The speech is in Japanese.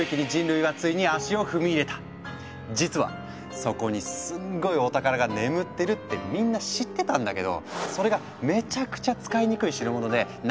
実はそこにすんごいお宝が眠ってるってみんな知ってたんだけどそれがめちゃくちゃ使いにくい代物で長いこと封印していたんだ。